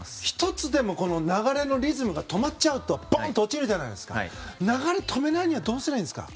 １つでも流れのリズムが止まっちゃうとボンと落ちるじゃないですか流れを止めないにはどうしたらいいんですか。